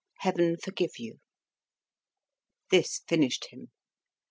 Heaven forgive you!" This finished him.